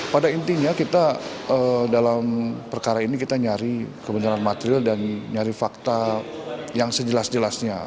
pada intinya kita dalam perkara ini kita nyari kebenaran material dan nyari fakta yang sejelas jelasnya